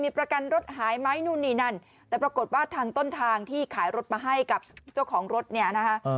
ปรากฏว่าทางต้นทางที่ขายรถมาให้กับเจ้าของรถเนี่ยนะคะ